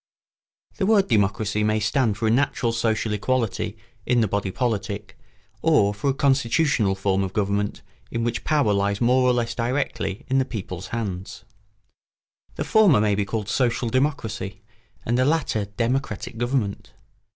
] The word democracy may stand for a natural social equality in the body politic or for a constitutional form of government in which power lies more or less directly in the people's hands. The former may be called social democracy and the latter democratic government.